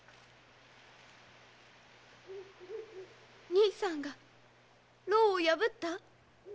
兄さんが牢を破った？